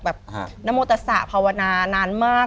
นามโมตัสสะภาวนานานมาก